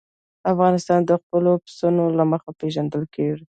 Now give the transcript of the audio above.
افغانستان د خپلو پسونو له مخې پېژندل کېږي.